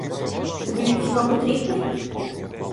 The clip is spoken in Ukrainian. Тобі він хіба потрібний?